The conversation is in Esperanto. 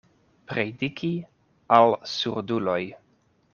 Prediki al surduloj.